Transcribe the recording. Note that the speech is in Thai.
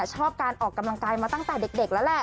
ชอบการออกกำลังกายมาตั้งแต่เด็กแล้วแหละ